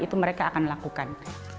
itu mereka akan lakukan